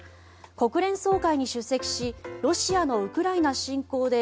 国連総会に出席しロシアのウクライナ侵攻で